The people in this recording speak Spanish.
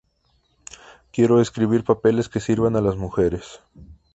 Quiero escribir papeles que sirvan a las mujeres.